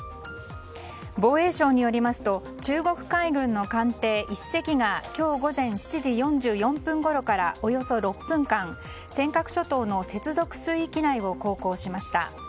防衛省によりますと中国海軍の艦艇１隻が今日午前７時４４分ごろからおよそ６分間、日本列島の接続水域内を航行しました。